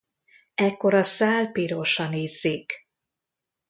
Ekkor a szál pirosan izzik.